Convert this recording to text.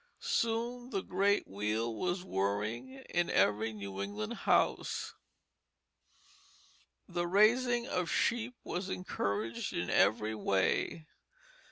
Soon the great wheel was whirring in every New England house. The raising of sheep was encouraged in every way.